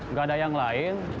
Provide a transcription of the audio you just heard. nggak ada yang lain